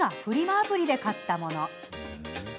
アプリで買ったもの。